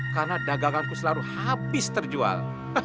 karena daganganku selalu habis terjual